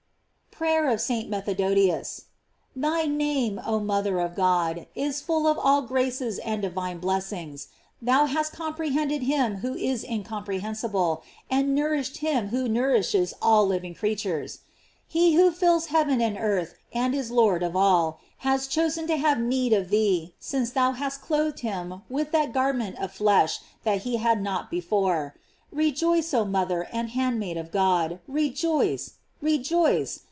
PEAYEB OP ST. METHODIUS. THY name, oh mother of God, is full of all graces and divine blessings. Thou hast compre hended him who is incomprehensible, and nour ished him who nourishes all living creatures. He who fills heaven and earth and is Lord of all, has chosen to have need of thee, since thou hast cloth ed him with that garment of flesh that he had not before. Rejoice, oh mother and handmaid of God! rejoice! rejoice!